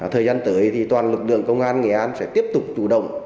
thời gian tới thì toàn lực lượng công an nghệ an sẽ tiếp tục chủ động